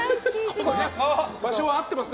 場所は合ってますか？